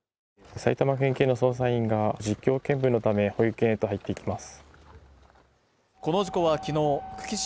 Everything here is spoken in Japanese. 埼玉県警の捜査員が実況見分のため保育園へと入っていきます。